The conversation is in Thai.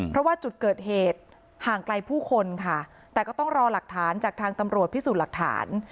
เพราะว่าจุดเกิดเหตุห่างไกลผู้คนค่ะแต่ก็ต้องรอหลักฐานจากทางตำรวจพิสูจน์หลักฐาน